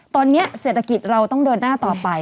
ตอนนี้เศรษฐกิจเราต้องเดินหน้าต่อไป